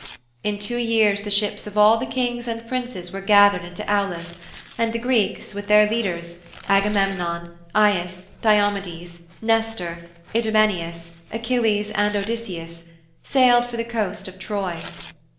In two years the ships of all the Kings and Princes were gathered into Aulis and the Greeks, with their leaders, Agamemnon, Aias, Diomedes, Nestor, Idomeneus, Achilles and Odysseus, sailed for the coast of Troy.